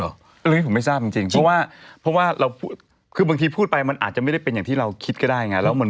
อันนี้ผมไม่ทราบจริงเพราะว่าเพราะว่าเราคือบางทีพูดไปมันอาจจะไม่ได้เป็นอย่างที่เราคิดก็ได้ไง